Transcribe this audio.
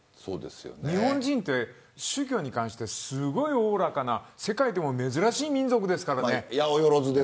日本人って宗教に関してすごいおおらかな世界でも珍しい民族ですから。